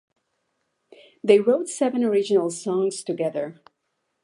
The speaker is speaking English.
They wrote seven original songs together.